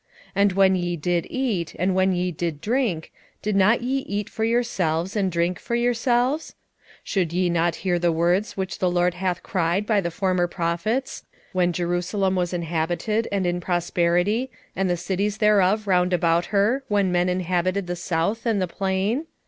7:6 And when ye did eat, and when ye did drink, did not ye eat for yourselves, and drink for yourselves? 7:7 Should ye not hear the words which the LORD hath cried by the former prophets, when Jerusalem was inhabited and in prosperity, and the cities thereof round about her, when men inhabited the south and the plain?